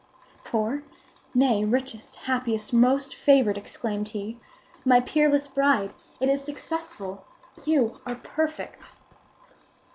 "Poor? Nay, richest, happiest, most favored!" exclaimed he. "My peerless bride, it is successful! You are perfect!"